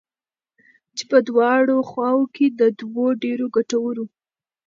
چې په دواړو خواوو كې د دوو ډېرو گټورو